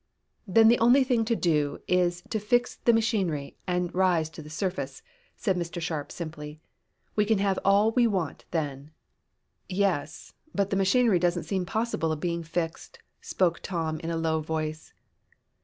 "Then the only thing to do is to fix the machinery and rise to the surface," said Mr. Sharp simply. "We can have all the air we want, then." "Yes, but the machinery doesn't seem possible of being fixed," spoke Tom in a low voice.